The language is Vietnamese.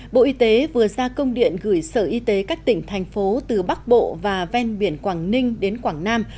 bộ y tế vừa ra công điện gửi sở y tế các tỉnh thành phố từ bắc bộ và ven biển quảng ninh đến quảng nam